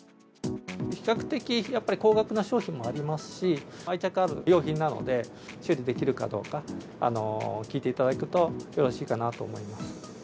比較的、やっぱり高額な商品もありますし、愛着ある用品なので、修理できるかどうか、聞いていただくとよろしいかなと思います。